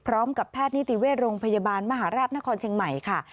พร้อมกับแพทย์นิติเวชโรงพยาบาลมหาราชนครเชียงใหม่ค่ะ